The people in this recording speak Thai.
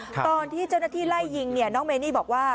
ตอนที่เจ้าหน้าที่ไล่ยิงเนี่ยน้องเมนี่บอกว่า